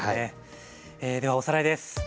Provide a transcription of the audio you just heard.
ではおさらいです。